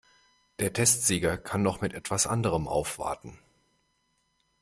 Der Testsieger kann noch mit etwas anderem aufwarten.